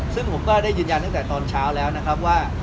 ซึ่งผมก็ได้ยืนยันตั้งแต่ตอนเช้าแล้วนะครับว่า